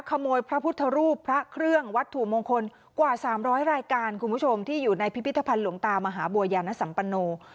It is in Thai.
พระพุทธรูปพระเครื่องวัตถุมงคลกว่า๓๐๐รายการคุณผู้ชมที่อยู่ในพิพิธภัณฑ์หลวงตามหาบัวยานสัมปโน